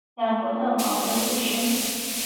两国的矛盾日深。